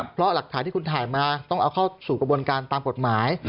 เพราะหลักฐานที่คุณถ่ายมาต้องเอาเข้าสู่กระบวนการตามกฎหมาย